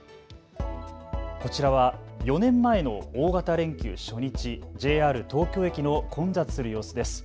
こちらは４年前の大型連休初日、ＪＲ東京駅の混雑する様子です。